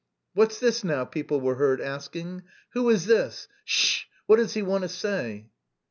"What's this now?" people were heard asking. "Who is this? Sh h! What does he want to say?"